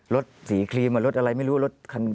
รถสีครีมอะไรรถรถอะไร